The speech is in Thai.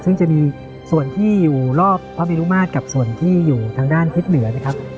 ซึ่งจะมีส่วนที่อยู่รอบพระเมรุมาตรกับส่วนที่อยู่ทางด้านทิศเหนือนะครับ